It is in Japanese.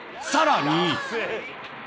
［さらに］